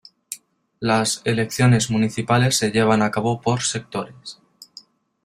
Las elecciones municipales se llevan a cabo por sectores.